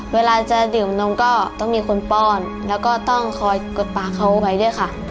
เวลาจะดื่มนมก็ต้องมีคนป้อนแล้วก็ต้องคอยกดปากเขาไว้ด้วยค่ะ